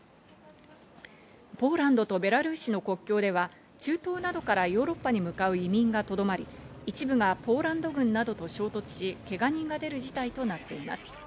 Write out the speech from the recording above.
ポーランドとベラルーシの国境では中東などからヨーロッパに向かう移民がとどまり、一部がポーランド軍などと衝突し、けが人が出る事態となっています。